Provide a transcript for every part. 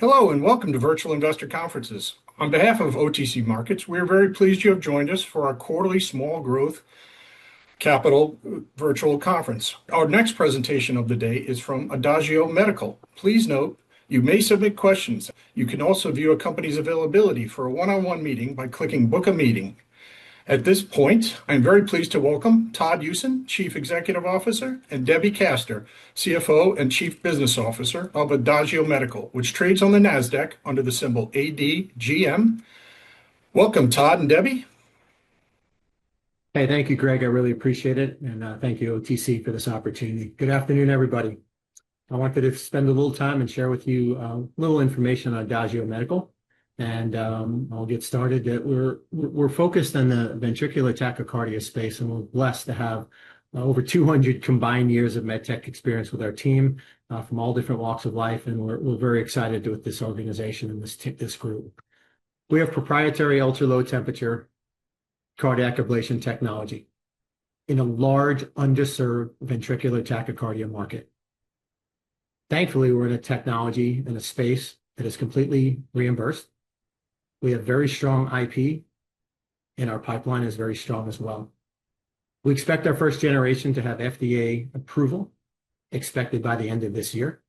Hello, welcome to Virtual Investor Conferences. On behalf of OTC Markets, we are very pleased you have joined us for our quarterly Small Growth Capital Virtual Conference. Our next presentation of the day is from Adagio Medical. Please note, you may submit questions. You can also view a company's availability for a one-on-one meeting by clicking "Book a Meeting." At this point, I am very pleased to welcome Todd Usen, Chief Executive Officer, and Debbie Kaster, CFO and Chief Business Officer of Adagio Medical, which trades on the NASDAQ under the symbol ADGM. Welcome, Todd and Debbie. Thank you, Greg. I really appreciate it, thank you, OTC, for this opportunity. Good afternoon, everybody. I wanted to spend a little time and share with you a little information on Adagio Medical, I will get started. We are focused on the ventricular tachycardia space, we are blessed to have over 200 combined years of med tech experience with our team from all different walks of life, we are very excited with this organization and this group. We have proprietary ultra-low temperature cardiac ablation technology in a large underserved ventricular tachycardia market. Thankfully, we are in a technology and a space that is completely reimbursed. We have very strong IP, our pipeline is very strong as well. We expect our first generation to have FDA approval expected by the end of this year.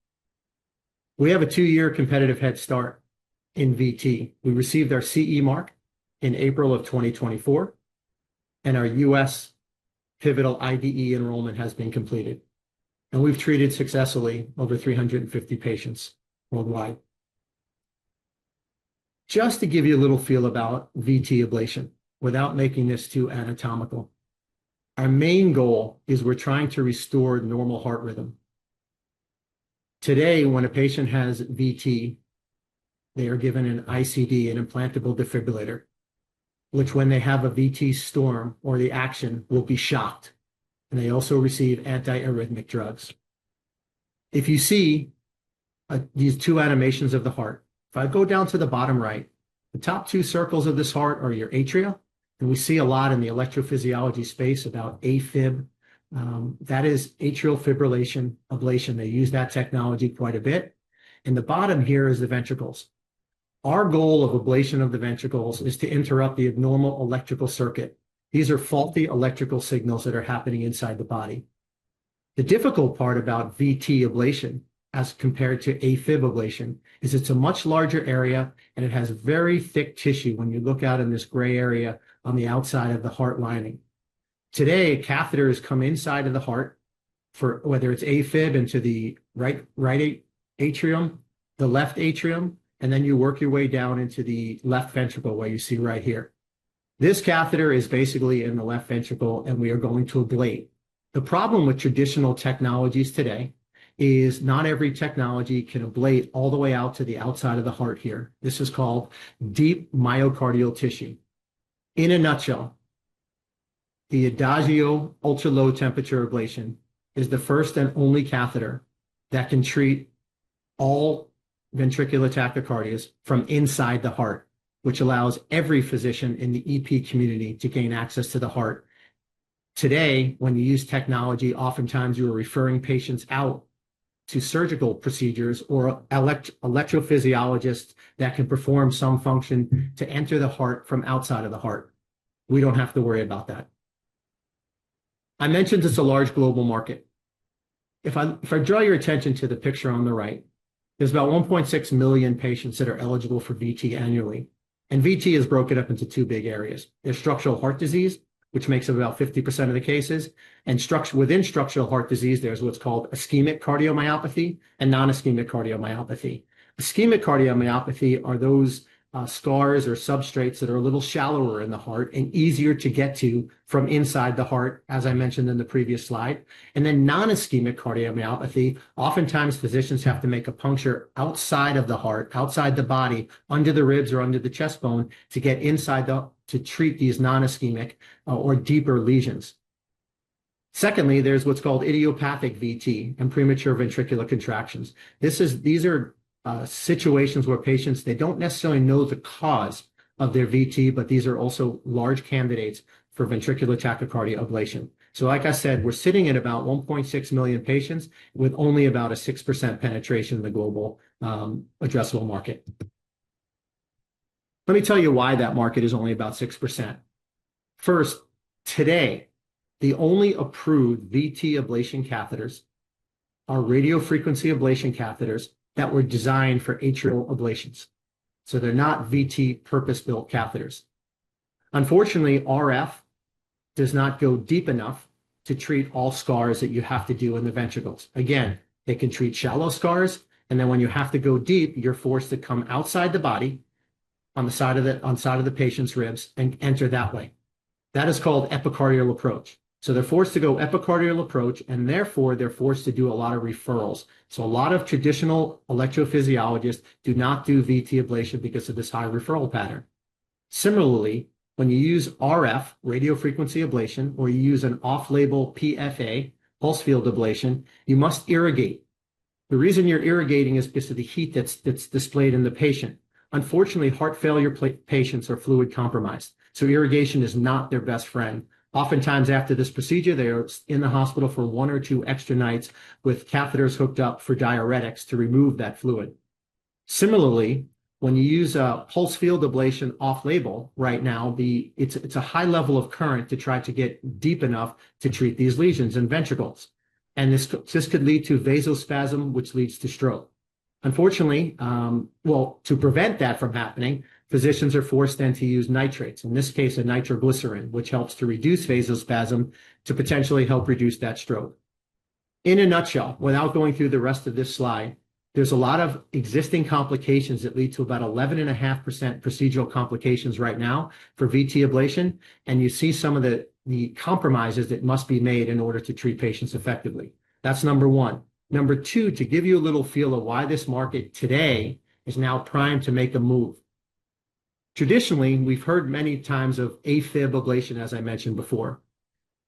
We have a two-year competitive head start in VT. We received our CE mark in April of 2024, our U.S. pivotal IDE enrollment has been completed, we have treated successfully over 350 patients worldwide. Just to give you a little feel about VT ablation, without making this too anatomical, our main goal is we are trying to restore normal heart rhythm. Today, when a patient has VT, they are given an ICD, an implantable defibrillator, which when they have a VT storm or the action will be shocked. They also receive anti-arrhythmic drugs. If you see these two animations of the heart, if I go down to the bottom right, the top two circles of this heart are your atria, we see a lot in the electrophysiology space about AFib. That is atrial fibrillation ablation. They use that technology quite a bit. In the bottom here is the ventricles. Our goal of ablation of the ventricles is to interrupt the abnormal electrical circuit. These are faulty electrical signals that are happening inside the body. The difficult part about VT ablation as compared to AFib ablation is it is a much larger area, it has very thick tissue when you look out in this gray area on the outside of the heart lining. Today, catheters come inside of the heart for whether it is AFib into the right atrium, the left atrium, then you work your way down into the left ventricle, what you see right here. This catheter is basically in the left ventricle, we are going to ablate. The problem with traditional technologies today is not every technology can ablate all the way out to the outside of the heart here. This is called deep myocardial tissue. In a nutshell, the Adagio ultra-low temperature ablation is the first and only catheter that can treat all ventricular tachycardias from inside the heart, which allows every physician in the EP community to gain access to the heart. Today, when you use technology, oftentimes you are referring patients out to surgical procedures or electrophysiologists that can perform some function to enter the heart from outside of the heart. We don't have to worry about that. I mentioned it's a large global market. If I draw your attention to the picture on the right, there's about 1.6 million patients that are eligible for VT annually, and VT is broken up into two big areas. There's structural heart disease, which makes up about 50% of the cases, and within structural heart disease, there's what's called ischemic cardiomyopathy and non-ischemic cardiomyopathy. Ischemic cardiomyopathy are those scars or substrates that are a little shallower in the heart and easier to get to from inside the heart, as I mentioned in the previous slide. Non-ischemic cardiomyopathy, oftentimes physicians have to make a puncture outside of the heart, outside the body, under the ribs or under the chest bone to treat these non-ischemic or deeper lesions. There's what's called idiopathic VT and premature ventricular contractions. These are situations where patients, they don't necessarily know the cause of their VT, but these are also large candidates for ventricular tachycardia ablation. Like I said, we're sitting at about 1.6 million patients with only about a 6% penetration of the global addressable market. Let me tell you why that market is only about 6%. Today, the only approved VT ablation catheters are radiofrequency ablation catheters that were designed for atrial ablations. They're not VT purpose-built catheters. Unfortunately, RF does not go deep enough to treat all scars that you have to do in the ventricles. Again, they can treat shallow scars, and then when you have to go deep, you're forced to come outside the body on the side of the patient's ribs and enter that way. That is called epicardial approach. They're forced to go epicardial approach, and therefore, they're forced to do a lot of referrals. A lot of traditional electrophysiologists do not do VT ablation because of this high referral pattern. Similarly, when you use RF, radiofrequency ablation, or you use an off-label PFA, pulsed field ablation, you must irrigate. The reason you're irrigating is because of the heat that's displayed in the patient. Unfortunately, heart failure patients are fluid compromised, so irrigation is not their best friend. Oftentimes, after this procedure, they're in the hospital for one or two extra nights with catheters hooked up for diuretics to remove that fluid. Similarly, when you use a pulsed field ablation off-label right now, it's a high level of current to try to get deep enough to treat these lesions and ventricles. This could lead to vasospasm, which leads to stroke. Unfortunately, to prevent that from happening, physicians are forced then to use nitrates, in this case, a nitroglycerin, which helps to reduce vasospasm to potentially help reduce that stroke. In a nutshell, without going through the rest of this slide, there's a lot of existing complications that lead to about 11.5% procedural complications right now for VT ablation, and you see some of the compromises that must be made in order to treat patients effectively. That's number one. Number two, to give you a little feel of why this market today is now primed to make a move. Traditionally, we've heard many times of AFib ablation, as I mentioned before.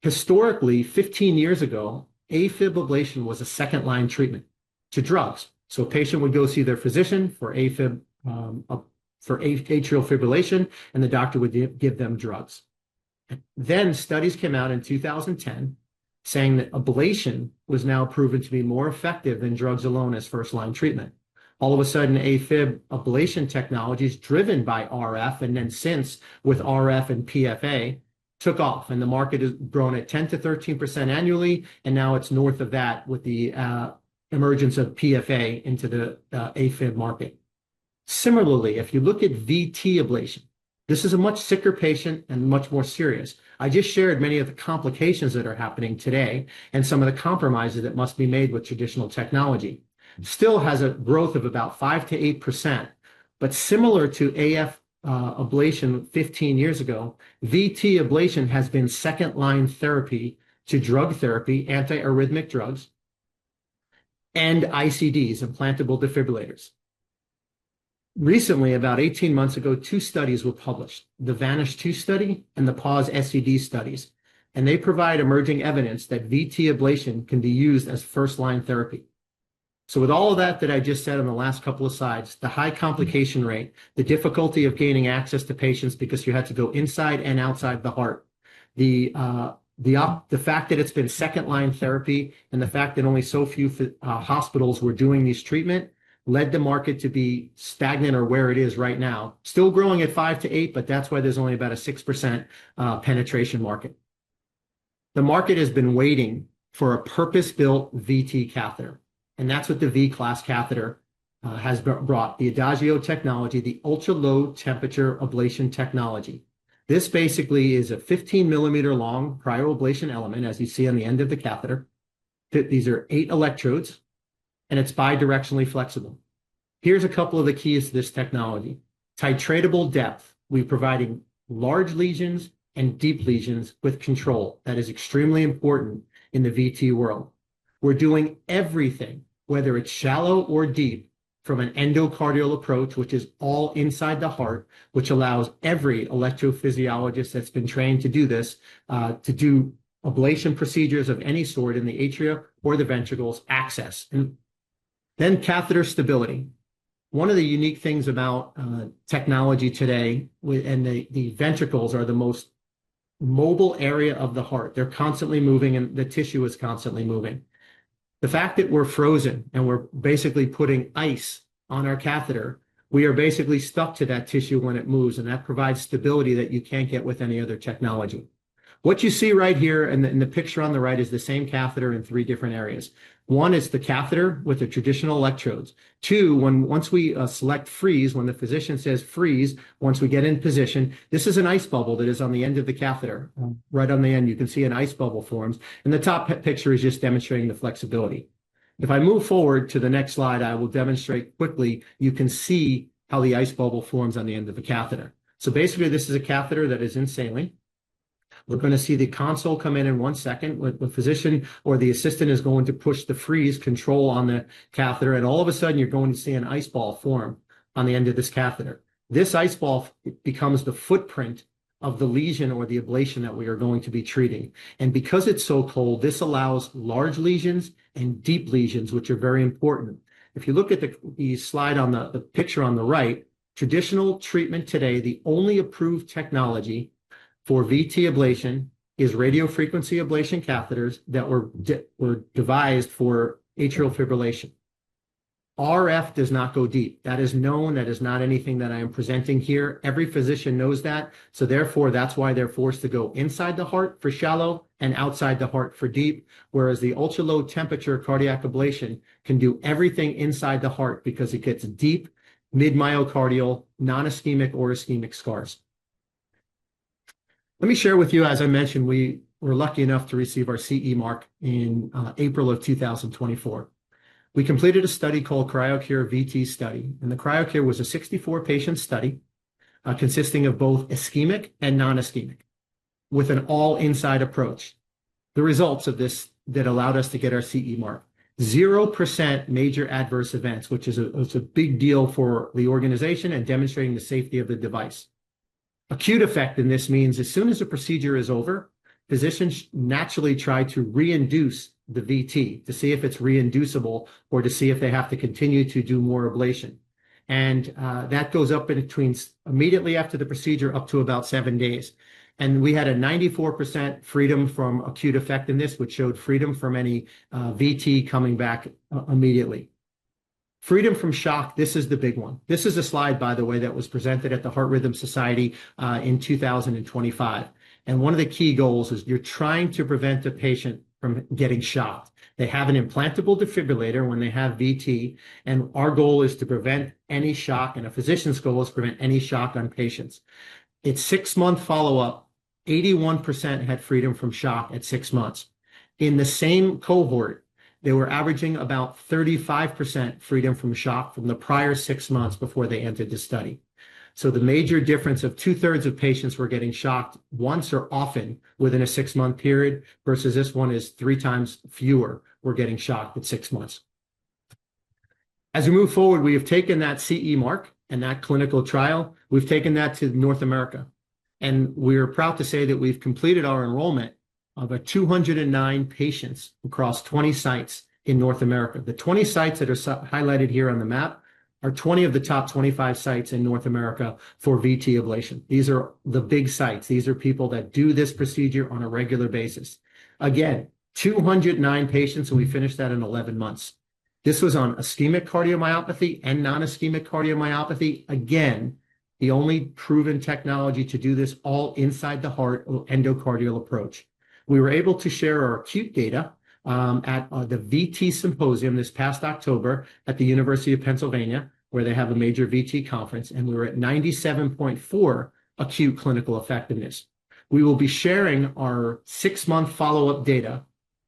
Historically, 15 years ago, AFib ablation was a second-line treatment to drugs. A patient would go see their physician for atrial fibrillation, and the doctor would give them drugs. Studies came out in 2010 saying that ablation was now proven to be more effective than drugs alone as first-line treatment. All of a sudden, AFib ablation technologies driven by RF, and then since with RF and PFA, took off, and the market has grown at 10%-13% annually, and now it's north of that with the emergence of PFA into the AFib market. Similarly, if you look at VT ablation, this is a much sicker patient and much more serious. I just shared many of the complications that are happening today and some of the compromises that must be made with traditional technology. It still has a growth of about 5%-8%, but similar to AF ablation 15 years ago, VT ablation has been second-line therapy to drug therapy, anti-arrhythmic drugs, and ICDs, implantable defibrillators. Recently, about 18 months ago, two studies were published, the VANISH2 study and the PAUSE-SCD studies, and they provide emerging evidence that VT ablation can be used as first-line therapy. With all of that that I just said on the last couple of slides, the high complication rate, the difficulty of gaining access to patients because you had to go inside and outside the heart. The fact that it's been second-line therapy and the fact that only so few hospitals were doing this treatment led the market to be stagnant or where it is right now. It is still growing at 5%-8%, but that's why there's only about a 6% penetration market. The market has been waiting for a purpose-built VT catheter, and that's what the vCLAS catheter has brought, the Adagio technology, the ultra-low temperature ablation technology. This basically is a 15-millimeter-long cryoablation element, as you see on the end of the catheter. These are eight electrodes, and it's bidirectionally flexible. Here's a couple of the keys to this technology. Titratable depth. We're providing large lesions and deep lesions with control. That is extremely important in the VT world. We're doing everything, whether it's shallow or deep, from an endocardial approach, which is all inside the heart, which allows every electrophysiologist that's been trained to do this to do ablation procedures of any sort in the atria or the ventricles access. Catheter stability. One of the unique things about technology today, and the ventricles are the most mobile area of the heart. They're constantly moving, and the tissue is constantly moving. The fact that we're frozen and we're basically putting ice on our catheter, we are basically stuck to that tissue when it moves, and that provides stability that you can't get with any other technology. What you see right here in the picture on the right is the same catheter in three different areas. One is the catheter with the traditional electrodes. Two, once we select freeze, when the physician says freeze, once we get in position, this is an ice bubble that is on the end of the catheter. Right on the end, you can see an ice bubble forms. The top picture is just demonstrating the flexibility. If I move forward to the next slide, I will demonstrate quickly, you can see how the ice bubble forms on the end of a catheter. Basically, this is a catheter that is in saline. We're going to see the console come in in one second. The physician or the assistant is going to push the freeze control on the catheter, and all of a sudden, you're going to see an ice ball form on the end of this catheter. This ice ball becomes the footprint of the lesion or the ablation that we are going to be treating. Because it's so cold, this allows large lesions and deep lesions, which are very important. If you look at the picture on the right, traditional treatment today, the only approved technology for VT ablation is radiofrequency ablation catheters that were devised for atrial fibrillation. RF does not go deep. That is known. That is not anything that I am presenting here. Every physician knows that, therefore, that's why they're forced to go inside the heart for shallow and outside the heart for deep, whereas the ultra-low temperature cardiac ablation can do everything inside the heart because it gets deep deep myocardial non-ischemic or ischemic scars. Let me share with you, as I mentioned, we were lucky enough to receive our CE mark in April of 2024. We completed a study called Cryocure-VT study, and the Cryocure was a 64-patient study consisting of both ischemic and non-ischemic with an all-inside approach. The results of this allowed us to get our CE mark. 0% major adverse events, which is a big deal for the organization and demonstrating the safety of the device. Acute effect in this means as soon as the procedure is over, physicians naturally try to reinduce the VT to see if it's reinducible or to see if they have to continue to do more ablation. That goes up in between immediately after the procedure, up to about seven days. We had a 94% freedom from acute effectiveness, which showed freedom from any VT coming back immediately. Freedom from shock, this is the big one. This is a slide, by the way, that was presented at the Heart Rhythm Society in 2025, and one of the key goals is you're trying to prevent the patient from getting shocked. They have an implantable defibrillator when they have VT, and our goal is to prevent any shock, and a physician's goal is to prevent any shock on patients. At six-month follow-up, 81% had freedom from shock at six months. In the same cohort, they were averaging about 35% freedom from shock from the prior six months before they entered the study. The major difference of 2/3 of patients were getting shocked once or often within a six-month period, versus this one is three times fewer were getting shocked at six months. As we move forward, we have taken that CE mark and that clinical trial, we've taken that to North America, and we're proud to say that we've completed our enrollment of 209 patients across 20 sites in North America. The 20 sites that are highlighted here on the map are 20 of the top 25 sites in North America for VT ablation. These are the big sites. These are people that do this procedure on a regular basis. Again, 209 patients, and we finished that in 11 months. This was on ischemic cardiomyopathy and non-ischemic cardiomyopathy. Again, the only proven technology to do this all-inside-the-heart endocardial approach. We were able to share our acute data at the VT Symposium this past October at the University of Pennsylvania, where they have a major VT conference, and we were at 97.4 acute clinical effectiveness. We will be sharing our six-month follow-up data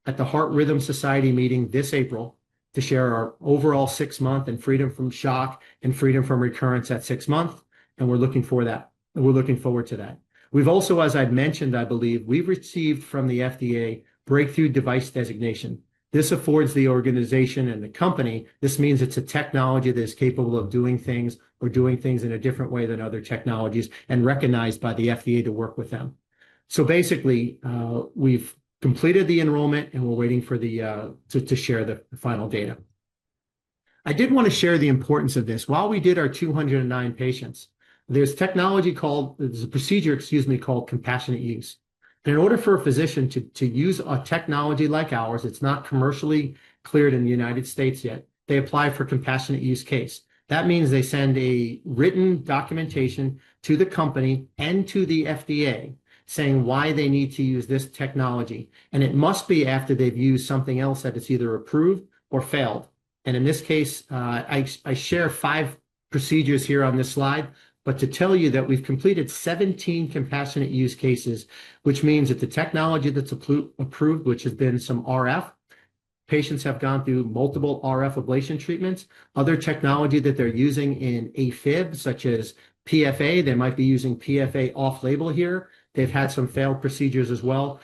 at the Heart Rhythm Society meeting this April to share our overall six month and freedom from shock and freedom from recurrence at six months. We're looking forward to that. We've also, as I've mentioned, I believe, we've received from the FDA Breakthrough Device designation. This affords the organization and the company. This means it's a technology that is capable of doing things or doing things in a different way than other technologies and recognized by the FDA to work with them. Basically, we've completed the enrollment and we're waiting to share the final data. I did want to share the importance of this. While we did our 209 patients, there's a procedure, excuse me, called compassionate use. In order for a physician to use a technology like ours that's not commercially cleared in the United States yet, they apply for compassionate use case. That means they send a written documentation to the company and to the FDA saying why they need to use this technology. It must be after they've used something else that it's either approved or failed. In this case, I share five procedures here on this slide, but to tell you that we've completed 17 compassionate use cases, which means that the technology that's approved, which has been some RF, patients have gone through multiple RF ablation treatments. Other technology that they're using in AFib, such as PFA, they might be using PFA off-label here. They've had some failed procedures as well.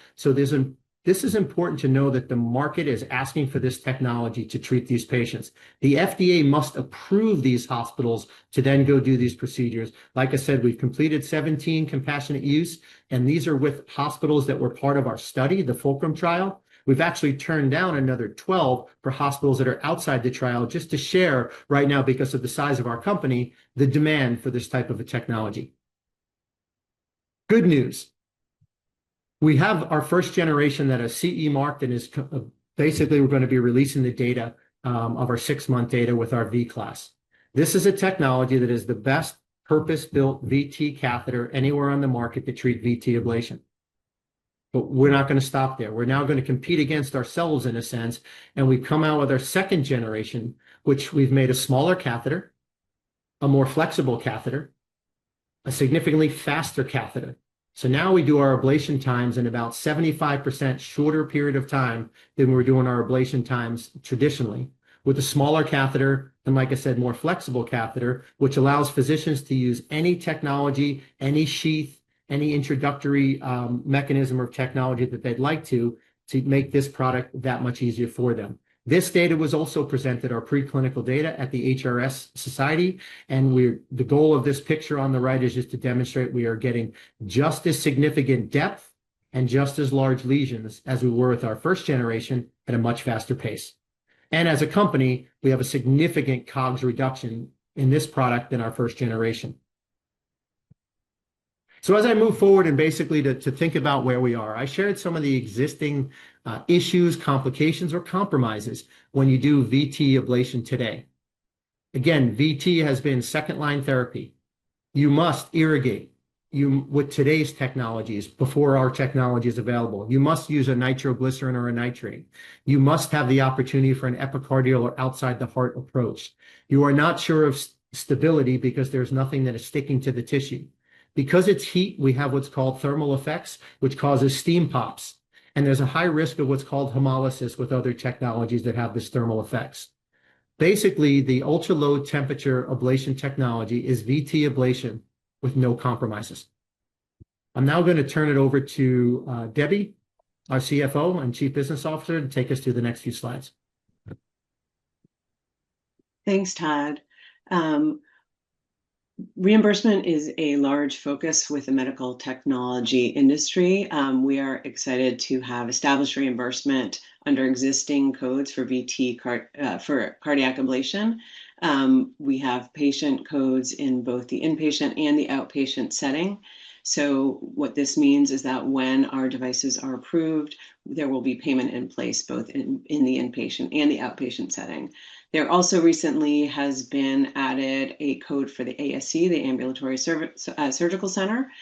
This is important to know that the market is asking for this technology to treat these patients. The FDA must approve these hospitals to then go do these procedures. Like I said, we've completed 17 compassionate use, and these are with hospitals that were part of our study, the FULCRUM trial. We've actually turned down another 12 for hospitals that are outside the trial just to share right now, because of the size of our company, the demand for this type of a technology. Good news. We have our first generation that is CE marked and basically we're going to be releasing the data of our six-month data with our vCLAS. This is a technology that is the best purpose-built VT catheter anywhere on the market to treat VT ablation. We're not going to stop there. We're now going to compete against ourselves, in a sense, we've come out with our second generation, which we've made a smaller catheter, a more flexible catheter, a significantly faster catheter. Now we do our ablation times in about 75% shorter period of time than we're doing our ablation times traditionally with a smaller catheter and, like I said, more flexible catheter, which allows physicians to use any technology, any sheath, any introductory mechanism or technology that they'd like to make this product that much easier for them. This data was also presented, our pre-clinical data, at the HRS. The goal of this picture on the right is just to demonstrate we are getting just as significant depth and just as large lesions as we were with our first generation at a much faster pace. As a company, we have a significant COGS reduction in this product than our first generation. As I move forward and basically to think about where we are, I shared some of the existing issues, complications, or compromises when you do VT ablation today. Again, VT has been second-line therapy. You must irrigate with today's technologies before our technology is available. You must use a nitroglycerin or a nitrate. You must have the opportunity for an epicardial or outside-the-heart approach. You are not sure of stability because there's nothing that is sticking to the tissue. Because it's heat, we have what's called thermal effects, which causes steam pops, and there's a high risk of what's called hemolysis with other technologies that have this thermal effects. Basically, the ultra-low temperature ablation technology is VT ablation with no compromises. I'm now going to turn it over to Debbie, our CFO and Chief Business Officer, to take us through the next few slides. Thanks, Todd. Reimbursement is a large focus with the medical technology industry. We are excited to have established reimbursement under existing codes for VT for cardiac ablation. We have patient codes in both the inpatient and the outpatient setting. What this means is that when our devices are approved, there will be payment in place both in the inpatient and the outpatient setting. There also recently has been added a code for the ASC, the ambulatory surgical center,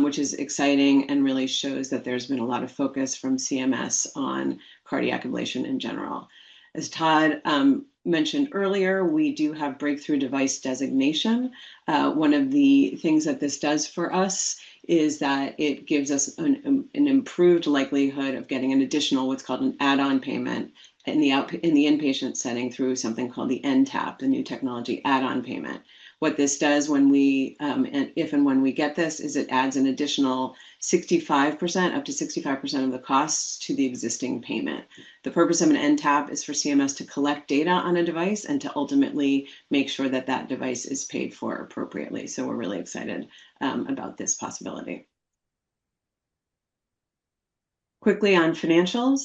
which is exciting and really shows that there's been a lot of focus from CMS on cardiac ablation in general. As Todd mentioned earlier, we do have Breakthrough Device designation. One of the things that this does for us is that it gives us an improved likelihood of getting an additional, what's called an add-on payment in the inpatient setting through something called the NTAP, the New Technology Add-on Payment. What this does if and when we get this, is it adds an additional 65%, up to 65% of the costs to the existing payment. The purpose of an NTAP is for CMS to collect data on a device and to ultimately make sure that that device is paid for appropriately. We're really excited about this possibility. Quickly on financials.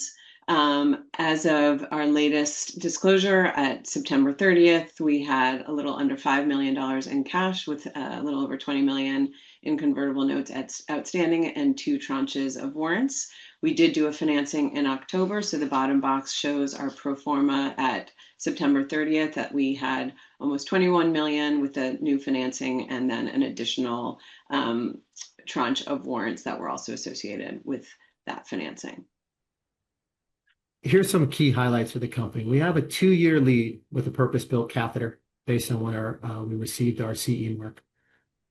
As of our latest disclosure at September 30th, we had a little under $5 million in cash with a little over $20 million in convertible notes outstanding and two tranches of warrants. We did do a financing in October, the bottom box shows our pro forma at September 30th, that we had almost $21 million with the new financing, and then an additional tranche of warrants that were also associated with that financing. Here's some key highlights for the company. We have a two-year lead with a purpose-built catheter based on when we received our CE mark.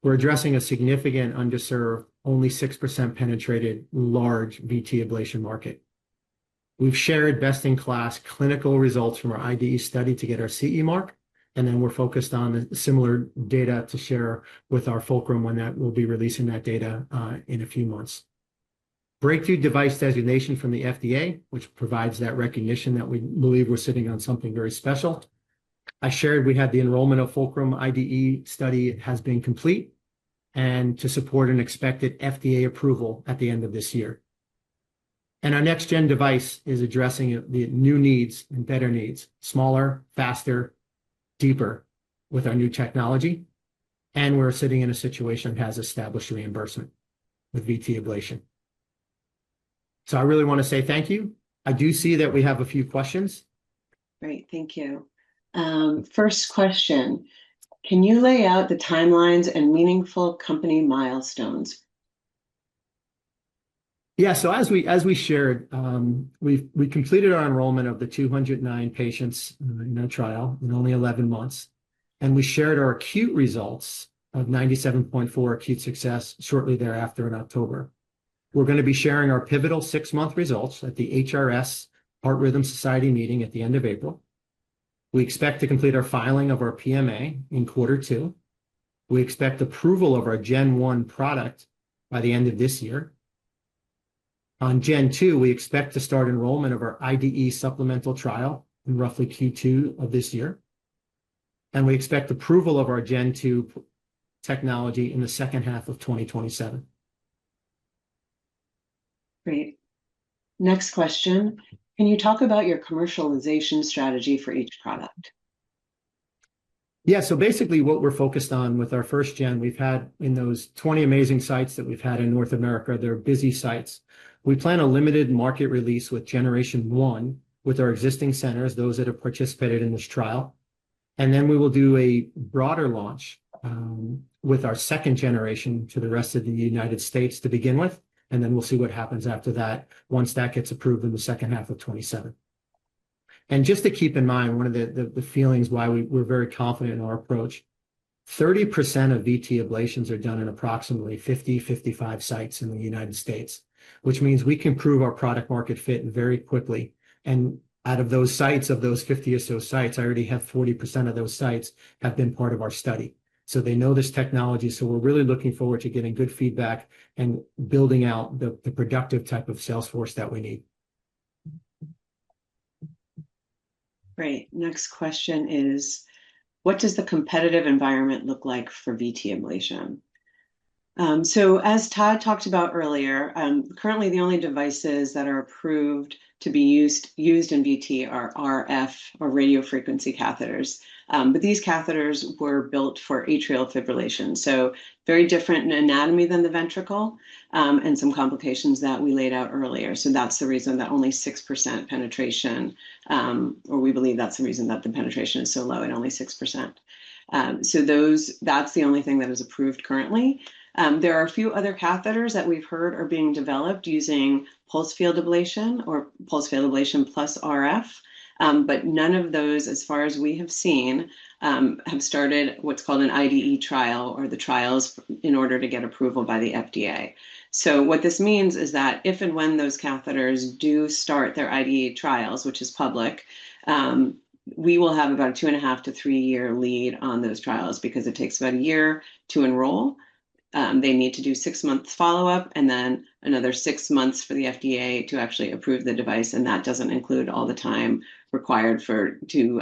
We're addressing a significant underserved, only 6% penetrated large VT ablation market. We've shared best-in-class clinical results from our IDE study to get our CE mark, we're focused on similar data to share with our Fulcrum when we'll be releasing that data in a few months. Breakthrough Device designation from the FDA, which provides that recognition that we believe we're sitting on something very special. I shared we had the enrollment of Fulcrum IDE study has been complete, to support an expected FDA approval at the end of this year. Our next gen device is addressing the new needs and better needs, smaller, faster, deeper with our new technology. We're sitting in a situation that has established reimbursement with VT ablation. I really want to say thank you. I do see that we have a few questions. Great. Thank you. First question. Can you lay out the timelines and meaningful company milestones? Yeah. As we shared, we completed our enrollment of the 209 patients in our trial in only 11 months, and we shared our acute results of 97.4 acute success shortly thereafter in October. We're going to be sharing our pivotal six-month results at the HRS Heart Rhythm Society meeting at the end of April. We expect to complete our filing of our PMA in quarter two. We expect approval of our gen one product by the end of this year. On gen two, we expect to start enrollment of our IDE supplemental trial in roughly Q2 of this year. We expect approval of our gen two technology in the second half of 2027. Great. Next question. Can you talk about your commercialization strategy for each product? Yeah. Basically what we're focused on with our first gen, we've had in those 20 amazing sites that we've had in North America. They're busy sites. We plan a limited market release with generation one with our existing centers, those that have participated in this trial. Then we will do a broader launch with our second generation to the rest of the United States to begin with, then we'll see what happens after that once that gets approved in the second half of 2027. Just to keep in mind, one of the feelings why we're very confident in our approach, 30% of VT ablations are done in approximately 50, 55 sites in the United States, which means we can prove our product market fit very quickly. Out of those sites, of those 50 or so sites, I already have 40% of those sites have been part of our study. They know this technology. We're really looking forward to getting good feedback and building out the productive type of sales force that we need. Great. Next question is, what does the competitive environment look like for VT ablation? As Todd talked about earlier, currently the only devices that are approved to be used in VT are RF or radiofrequency catheters. These catheters were built for atrial fibrillation, very different anatomy than the ventricle, and some complications that we laid out earlier. That's the reason that only 6% penetration, or we believe that's the reason that the penetration is so low at only 6%. That's the only thing that is approved currently. There are a few other catheters that we've heard are being developed using pulsed field ablation or pulsed field ablation plus RF. None of those, as far as we have seen, have started what's called an IDE trial or the trials in order to get approval by the FDA. What this means is that if and when those catheters do start their IDE trials, which is public, we will have about a 2.5 - 3-year lead on those trials because it takes about a year to enroll. They need to do six months follow-up, and then another six months for the FDA to actually approve the device, and that doesn't include all the time required to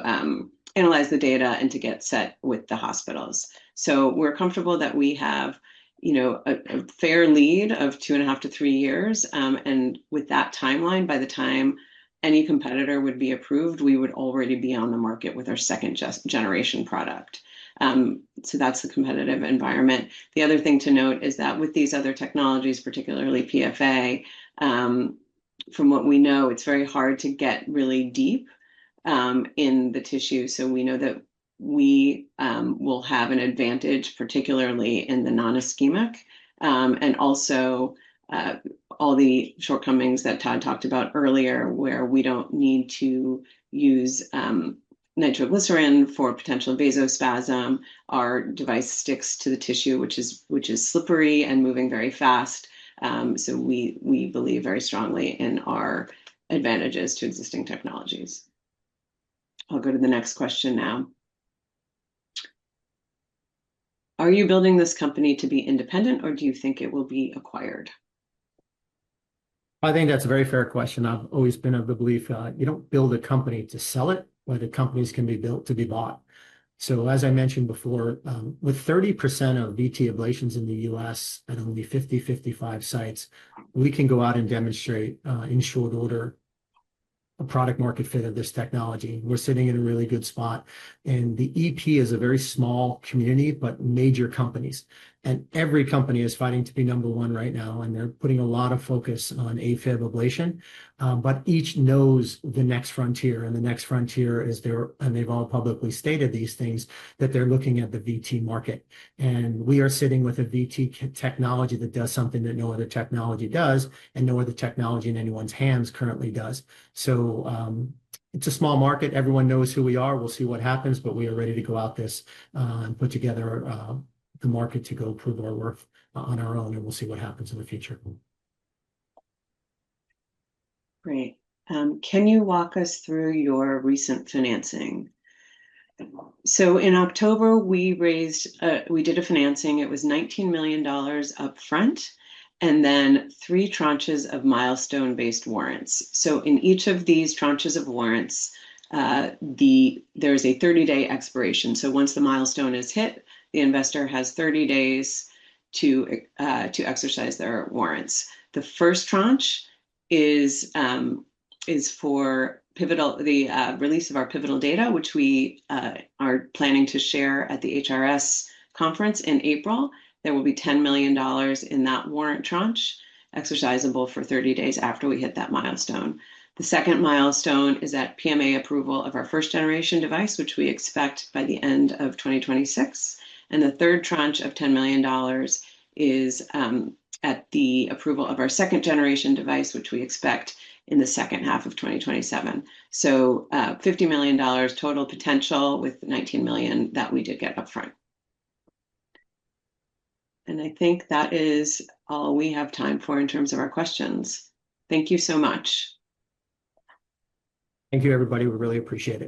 analyze the data and to get set with the hospitals. We're comfortable that we have a fair lead of 2.5 - 3 years. With that timeline, by the time any competitor would be approved, we would already be on the market with our second generation product. That's the competitive environment. The other thing to note is that with these other technologies, particularly PFA, from what we know, it's very hard to get really deep in the tissue. We know that we will have an advantage, particularly in the non-ischemic. Also all the shortcomings that Todd talked about earlier where we don't need to use nitroglycerin for potential vasospasm. Our device sticks to the tissue, which is slippery and moving very fast. We believe very strongly in our advantages to existing technologies. I'll go to the next question now. Are you building this company to be independent, or do you think it will be acquired? I think that's a very fair question. I've always been of the belief you don't build a company to sell it, but the companies can be built to be bought. As I mentioned before, with 30% of VT ablations in the U.S. at only 50-55 sites, we can go out and demonstrate in short order a product market fit of this technology. We're sitting in a really good spot, the EP is a very small community, but major companies. Every company is fighting to be number one right now, and they're putting a lot of focus on AFib ablation. Each knows the next frontier, and the next frontier is their. They've all publicly stated these things, that they're looking at the VT market. We are sitting with a VT technology that does something that no other technology does and no other technology in anyone's hands currently does. It's a small market. Everyone knows who we are. We'll see what happens, we are ready to go out this and put together the market to go prove our worth on our own, and we'll see what happens in the future. Great. Can you walk us through your recent financing? In October we did a financing. It was $19 million upfront, then three tranches of milestone-based warrants. In each of these tranches of warrants, there's a 30-day expiration. Once the milestone is hit, the investor has 30 days to exercise their warrants. The first tranche is for the release of our pivotal data, which we are planning to share at the HRS conference in April. There will be $10 million in that warrant tranche, exercisable for 30 days after we hit that milestone. The second milestone is at PMA approval of our first generation device, which we expect by the end of 2026. The third tranche of $10 million is at the approval of our second generation device, which we expect in the second half of 2027. $50 million total potential with the $19 million that we did get upfront. I think that is all we have time for in terms of our questions. Thank you so much. Thank you everybody. We really appreciate it.